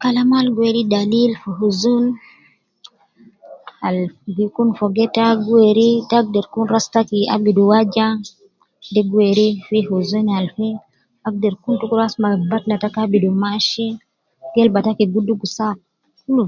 Kalama al gi weri dalail huzun al gi kun fogo ita gu weri tagder kun ras taki abidu waja de gi weri huzuni al agder kun ras taki abidu mashi gelba taki gi dugu saa kulu.